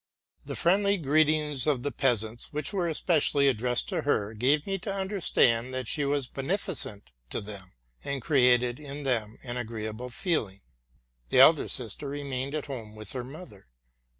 The friendly greetings of the peasants, which were especially addressed to her, gave me to understand that she was beneficent to them, and created in them an agreeable feeling. The elder sister remained at home with her mother.